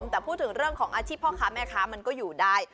แต่พูดถึงเรื่องของอาชีพพ่อค้าแม่ค้ามันก็อยู่ได้